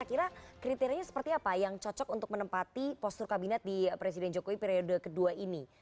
kira kira kriterianya seperti apa yang cocok untuk menempati postur kabinet di presiden jokowi periode kedua ini